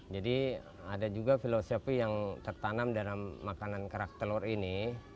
jadi ada juga filosofi yang tertanam dalam makanan kerak telur ini